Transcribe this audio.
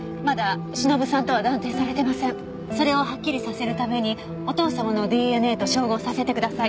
それをはっきりさせるためにお父様のＤＮＡと照合させてください。